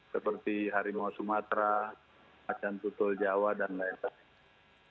seperti harimau sumatera macan tutul jawa dan lain lain